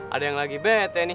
ada yang lagi bete nih